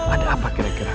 ada apa kira kira